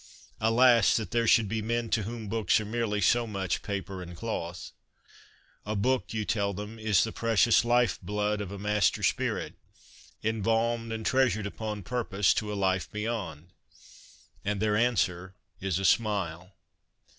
Alas ! that there should be men to whom books are merely so much paper and cloth. ' A book/ you tell them, ' is the precious life blood of a master spirit, embalmed and treasured upon purpose, to a life beyond.' And their answer is a smile.